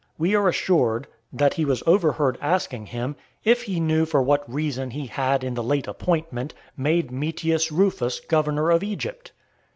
We are assured, that he was (482) overheard asking him, "if he knew for what reason he had in the late appointment, made Metius Rufus governor of Egypt?"